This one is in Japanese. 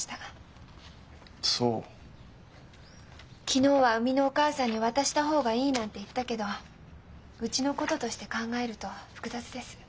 昨日は「生みのお母さんに渡した方がいい」なんて言ったけどうちのこととして考えると複雑です。